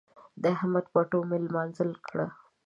د احمد پټو مې لمانځي کړ.